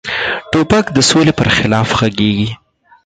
توپک د سولې پر خلاف غږیږي.